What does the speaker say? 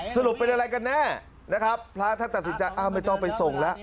สรุปเป็นอะไรกันแน่นะครับพระท่านตัดสินใจอ้าวไม่ต้องไปส่งแล้ว